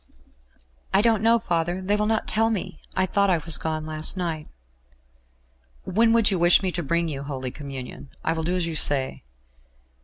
"I don't know, father. They will not tell me. I thought I was gone last night." "When would you wish me to bring you Holy Communion? I will do as you say."